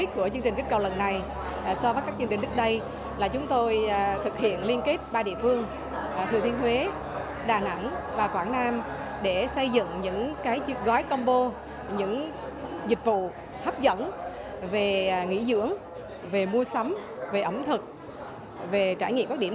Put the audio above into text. chương trình kích cầu du lịch ba địa phương một điểm đến nhiều trải nghiệm